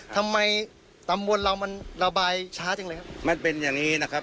ทำไมตำบลเรามันระบายช้าจังเลยครับมันเป็นอย่างนี้นะครับ